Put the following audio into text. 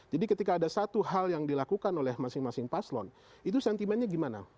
jadi ketika ada satu hal yang dilakukan oleh masing masing paslon itu sentimennya gimana